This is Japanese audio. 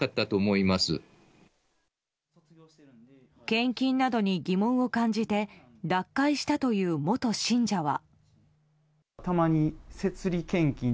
献金などに疑問を感じて脱会したという元信者は。